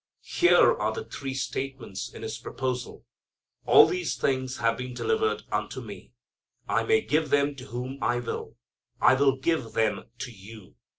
Here are the three statements in his proposal. All these things have been delivered unto me. I may give them to whom I will. I will give them to you.